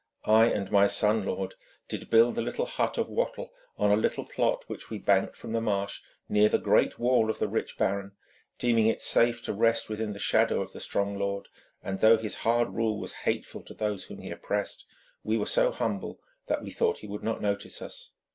'I and my son, lord, did build a little hut of wattle on a little plot which we banked from the marsh, near the great wall of the rich baron, deeming it safe to rest within the shadow of the strong lord, and though his hard rule was hateful to those whom he oppressed, we were so humble that we thought he would not notice us.